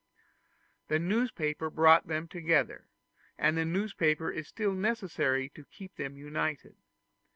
The newspaper brought them together, and the newspaper is still necessary to keep them united.